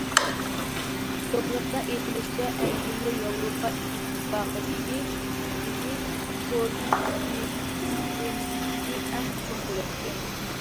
دوكلاتتا ئېيتىلىشىچە، ئەنگلىيە ياۋروپا ئىتتىپاقىدىكى جىنى كوئېففىتسېنتى ئەڭ چوڭ دۆلەت ئىكەن.